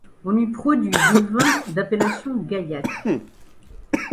On y produit du vin d'appellation gaillac.